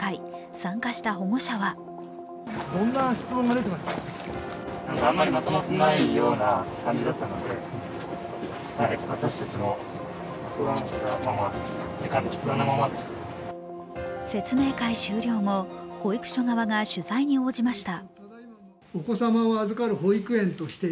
参加した保護者は説明会終了後、保育所側が取材に応じました。